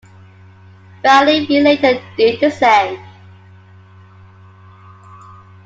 Valley View later did the same.